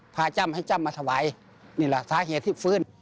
จ้ำให้จ้ำมาถวายนี่แหละสาเหตุที่ฟื้น